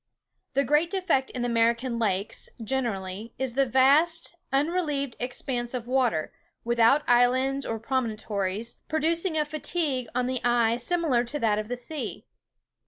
The great defect in American Lakes, generally, is the vast, unrelieved expanse of water, without islands and promontories, producing a fatigue on the eye similar to that of the sea.